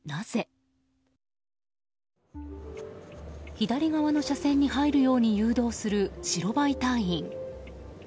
左側の車線に入るように誘導する白バイ隊員。